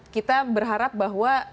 kita berharap bahwa